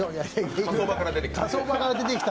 火葬場から出てきた。